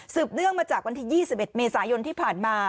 เนื่องมาจากวันที่๒๑เมษายนที่ผ่านมา